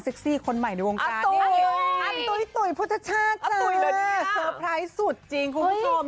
ซักซีคนใหม่ในวงการนี่อันตุ๋ยปุรรติศชาติจ๊ะสุดจริงคุณผู้ชม